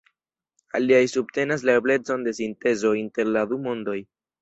Aliaj subtenas la eblecon de sintezo inter la du mondoj.